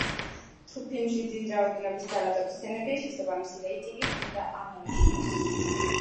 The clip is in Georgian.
თუ ფილმში დიდი რაოდენობის ძალადობის სცენებია, შესაბამისი რეიტინგით უნდა აღინიშნოს.